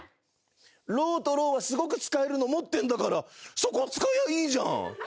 「ろう」と「ろう」はすごく使えるの持ってんだからそこ使えやいいじゃん。